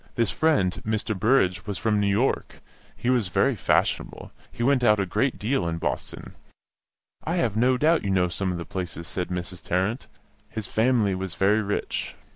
This friend, Mr. Burrage, was from New York; he was very fashionable, he went out a great deal in Boston ("I have no doubt you know some of the places," said Mrs. Tarrant); his "fam'ly" was very rich.